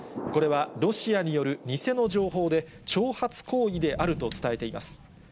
これは、ロシアによる偽の情報で、挑発行為であると伝えています。